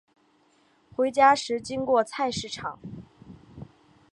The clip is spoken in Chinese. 回家时经过菜市场